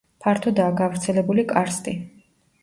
ფართოდაა გავრცელებული კარსტი.